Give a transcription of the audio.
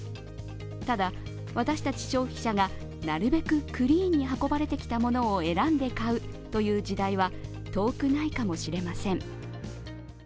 ただ、私たち消費者がなるべくクリーンに運ばれてきたものを選んで買うという時代は遠くないかもしれません。